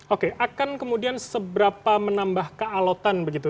oke akan kemudian seberapa menambah kealotan begitu